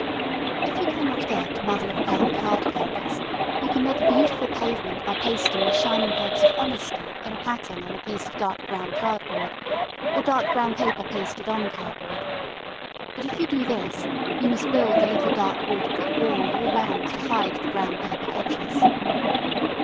If you cannot get mother of pearl card counters you can make a beautiful pavement by pasting the shining pods of honesty in a pattern on a piece of dark brown cardboard, or dark brown paper pasted on cardboard; but if you do this you must build a little dark wood brick wall all round to hide the brown paper edges.